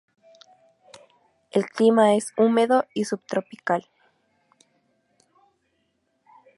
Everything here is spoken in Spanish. El clima es húmedo y subtropical.